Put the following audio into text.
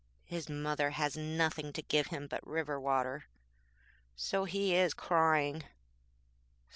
His mother has nothing to give him but river water, so he is crying.